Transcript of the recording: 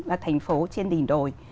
là thành phố trên đỉnh đồi